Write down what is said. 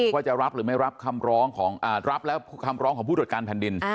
ว่าจะรับหรือไม่รับคำร้องของผู้โดรจการแผ่นดิน